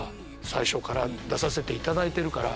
最初から出させていただいてるから。